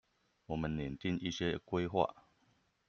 我們擬訂一些規劃